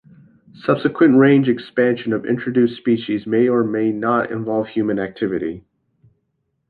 Subsequent range expansion of introduced species may or may not involve human activity.